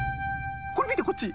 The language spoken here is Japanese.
これ見てこっち。